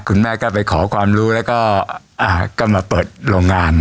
คุณแม่ก็ไปขอความรู้แล้วก็มาเปิดโรงงาน